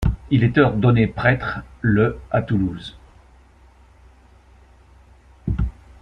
Il est ordonné prêtre le à Toulouse.